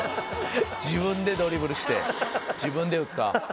自分でドリブルして自分で打った。